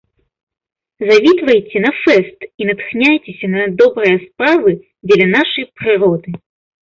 Завітвайце на фэст і натхняйцеся на добрыя справы дзеля нашай прыроды!